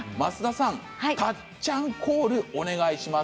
たっちゃんコール、お願いします。